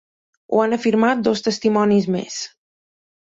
Ho han afirmat dos testimonis més.